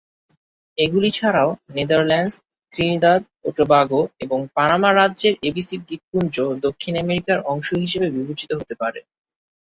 এগুলি ছাড়াও Netherlands, Trinidad ও টোবাগো এবং পানামা রাজ্যের এবিসি দ্বীপপুঞ্জ দক্ষিণ আমেরিকার অংশ হিসাবে বিবেচিত হতে পারে।